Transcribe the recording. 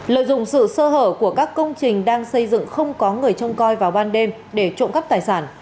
lợi dụng sự sơ hở của các công trình đang xây dựng không có người trông coi vào ban đêm để trộm cắp tài sản